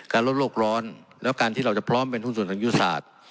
ลดโลกร้อนแล้วการที่เราจะพร้อมเป็นหุ้นส่วนทางยุทธศาสตร์